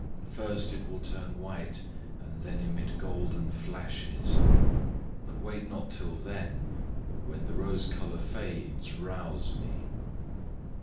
First, it will turn white, and then emit golden flashes; but wait not till then; when the rose colour fades, rouse me."